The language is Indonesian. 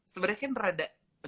sebenernya kan rada